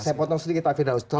saya potong sedikit pak firdausto